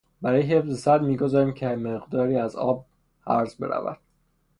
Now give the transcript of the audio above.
برای حفظ سد، میگذاریم که مقداری از آب هرز برود.